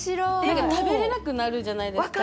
何か食べれなくなるじゃないですか。